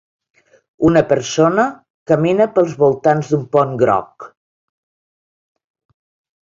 Una persona camina pels voltants d'un pont groc.